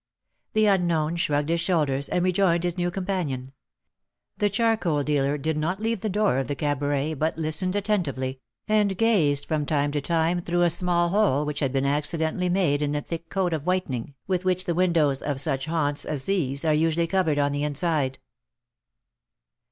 The unknown shrugged his shoulders, and rejoined his new companion. The charcoal dealer did not leave the door of the cabaret, but listened attentively, and gazed from time to time through a small hole which had been accidentally made in the thick coat of whitening, with which the windows of such haunts as these are usually covered on the inside.